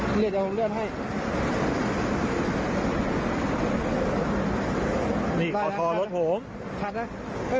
พี่ยังไม่ถ่ายเลือดในรถเป็นไปผมถ่ายบัตรเลย